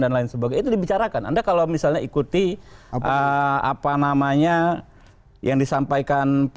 dan lain sebagainya itu dibicarakan anda kalau misalnya ikuti apa namanya yang disampaikan